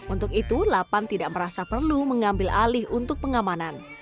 untuk itu lapan tidak merasa perlu mengambil alih untuk pengamanan